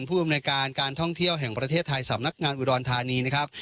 ผู้อำนวยการการท่องเที่ยวแห่งประเทศไทยสำนักงานอุดรธานีนะครับ